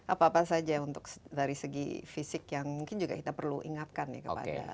apa apa saja untuk dari segi fisik yang mungkin juga kita perlu ingatkan ya kepada